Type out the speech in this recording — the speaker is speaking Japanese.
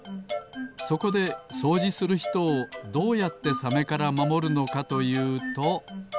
そこでそうじするひとをどうやってサメからまもるのかというと。